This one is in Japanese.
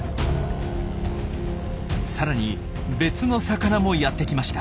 さらに別の魚もやってきました。